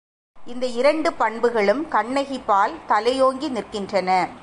இந்த இரண்டு பண்புகளும் கண்ணகிபால் தலையோங்கி நிற்கின்றன.